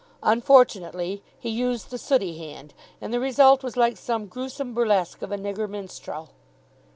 Unfortunately, he used the sooty hand, and the result was like some gruesome burlesque of a nigger minstrel.